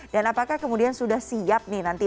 dan apakah kemudian sudah siap nih nanti